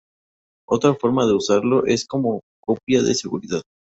Otra forma de usarlo es como copia de seguridad.